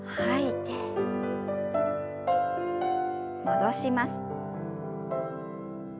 戻します。